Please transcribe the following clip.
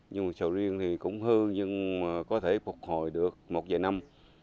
nhưng mà sầu riêng thì cũng hư nhưng có thể phục hồi được một vài năm